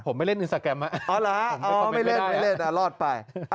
ผมไม่เล่นอินสาแกรมอ่ะอ๋อหรอไม่เล่นอ่ะรอดไป